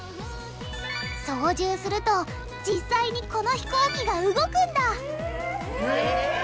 操縦すると実際にこの飛行機が動くんだえ！